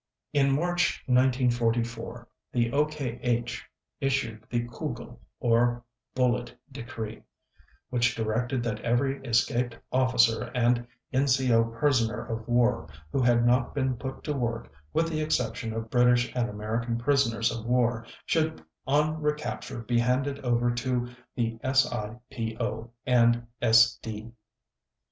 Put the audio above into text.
In March 1944 the OKH issued the "Kugel" or "Bullet" decree, which directed that every escaped officer and NCO prisoner of war who had not been put to work, with the exception of British and American prisoners of war, should on recapture be handed over to the SIPO and SD.